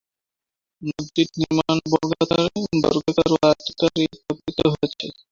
মসজিদ নির্মাণে বর্গাকার ও আয়তাকার ইট ব্যবহৃত হয়েছে।